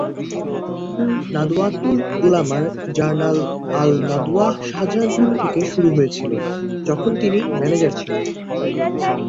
Nadwatul Ulama journal Al-Nadwah Shahjahanpur থেকে শুরু হয়েছিল, যখন তিনি ম্যানেজার ছিলেন।